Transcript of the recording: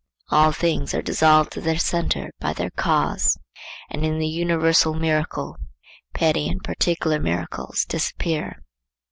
All things are dissolved to their centre by their cause, and in the universal miracle petty and particular miracles disappear.